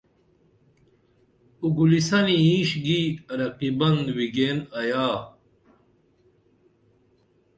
اُگولیسنی اینش گی رقیبن ویگیئن آیا